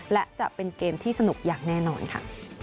และจะเป็นเกมที่สนุกอย่างแน่นอนค่ะ